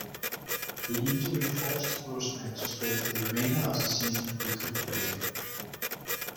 The injury forced Grossman to spend the remainder of the season recuperating.